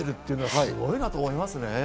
すごいなと思いますね。